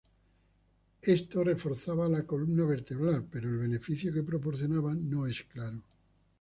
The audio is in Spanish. Esto reforzaba la columna vertebral, pero el beneficio que proporcionaba no es claro.